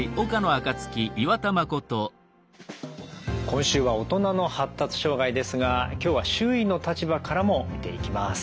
今週は「大人の発達障害」ですが今日は周囲の立場からも見ていきます。